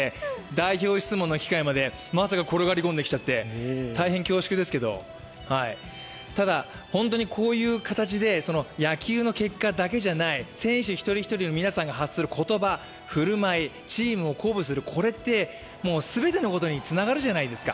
代表質問の機会まで転がり込んできて大変恐縮ですけどただ、こういう形で野球の結果だけじゃない、選手一人一人の皆さんが発する言葉、振る舞い、これって、全てのことにつながるじゃないですか。